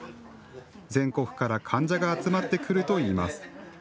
全国から患者が集まってくるといいます。